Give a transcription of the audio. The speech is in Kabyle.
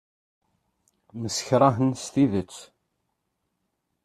Msekṛahen s tidet.